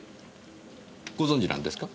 ご存じなんですか？